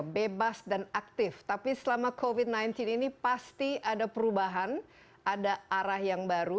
bebas dan aktif tapi selama covid sembilan belas ini pasti ada perubahan ada arah yang baru